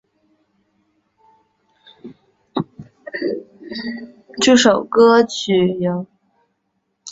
这首歌由北京奥运会闭幕式音乐总监卞留念谱曲。